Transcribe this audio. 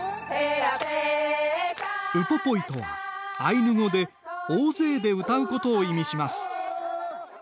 ウポポイとはアイヌ語で「大勢で歌うこと」を意味します。